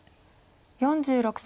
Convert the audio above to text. ４６歳。